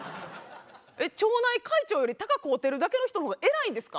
町内会長より鷹飼うてるだけの人の方が偉いんですか？